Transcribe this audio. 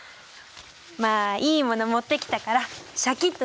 まあいいもの持ってきたからシャキッとしなよ。